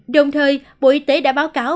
đồng thời bộ y tế đã báo cáo